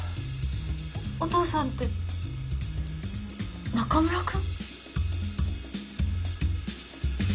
お父さんって中村くん！？